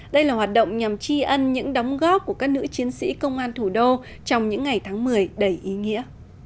đây là hoạt động nhằm tri ân những đóng góp của các nữ chiến sĩ công an thủ đô trong những ngày tháng một mươi đầy ý nghĩa